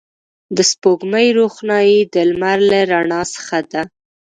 د سپوږمۍ روښنایي د لمر له رڼا څخه ده